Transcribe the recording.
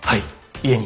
家に？